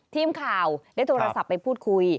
ทีมข่าวได้โทรศัพท์ไปพูดคุย